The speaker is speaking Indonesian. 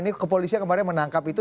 ini kepolisian kemarin menangkap itu